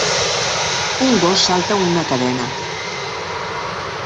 Un gos salta una cadena.